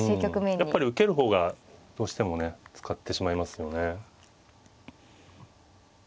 やっぱり受ける方がどうしてもね使ってしまいますよね。